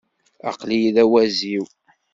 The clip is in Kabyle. Aql-iyi d awaziw.